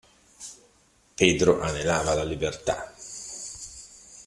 Pedro anelava alla libertà.